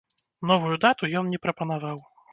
Новую дату ён не прапанаваў.